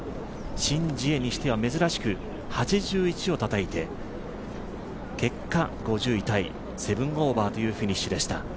シン・ジエにしては珍しく８１をたたいて、結果、５０位タイ、７オーバーというフィニッシュでした。